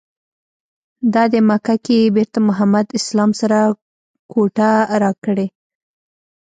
دادی مکه کې یې بېرته محمد اسلام سره کوټه راکړې.